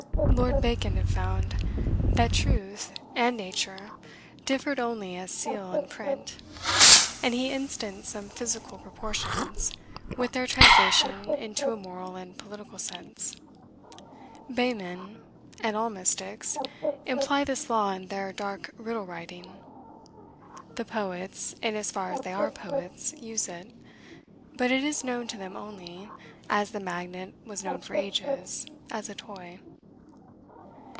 Lord Bacon had found that truth and nature differed only as seal and print; and he instanced some physical proportions, with their translation into a moral and political sense. Behmen, and all mystics, imply this law in their dark riddle writing. The poets, in as far as they are poets, use it; but it is known to them only, as the magnet was known for ages, as a toy.